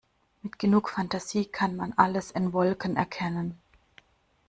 Mit genug Fantasie kann man alles in Wolken erkennen.